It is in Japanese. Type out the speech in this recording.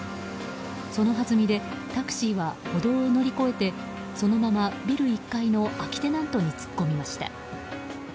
そのはずみでタクシーは歩道を乗り越えてそのままビル１階の空きテナントに突っ込みました。